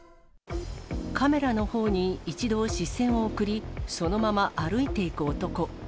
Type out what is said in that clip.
カメラのほうに一度視線を送り、そのまま歩いていく男。